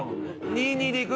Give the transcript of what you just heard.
２：２で行く？